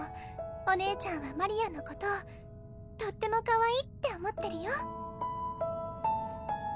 お姉ちゃんはマリアのことをとってもかわいいって思ってるよ